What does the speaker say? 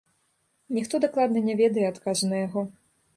Ніхто дакладна не ведае адказу на яго.